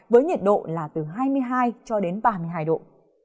với nhiệt độ là từ hai mươi hai ba mươi hai độ